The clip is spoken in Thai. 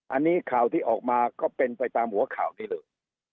อันนี้ข่าวที่ออกมาก็เป็นไปตามหัวข่าวนี้เลย